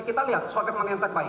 kita lihat soalnya mana yang terbaik